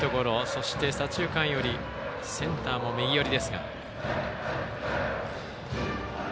そして、左中間寄りセンターも右寄り。